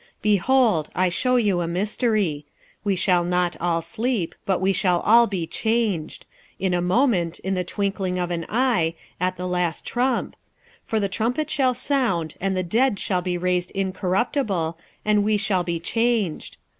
46:015:051 Behold, I shew you a mystery; We shall not all sleep, but we shall all be changed, 46:015:052 In a moment, in the twinkling of an eye, at the last trump: for the trumpet shall sound, and the dead shall be raised incorruptible, and we shall be changed.